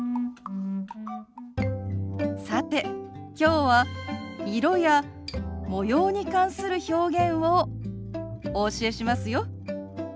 さてきょうは色や模様に関する表現をお教えしますよ。